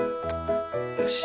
よし。